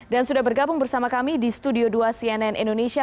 dan sudah bergabung bersama kami di studio dua cnn indonesia